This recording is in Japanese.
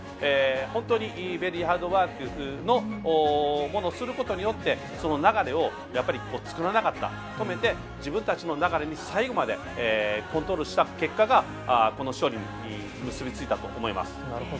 本当にいいベリーハードワークをすることによって流れを作らなかった、止めて自分たちの流れに最後までコントロールした結果がこの勝利に結びついたと思います。